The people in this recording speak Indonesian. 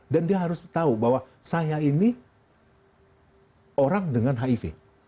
dan dia harus tahu bahwa saya ini orang dengan hiv